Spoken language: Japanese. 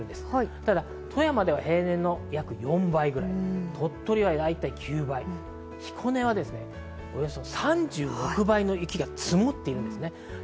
ただ、富山は平年の４倍、鳥取は９倍、彦根はおよそ３６倍の雪が積もっています。